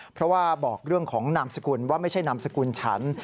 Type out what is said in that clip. เพราะว่าบอกเรื่องของนามสกุลว่าไม่ใช่นามสกุลฉัน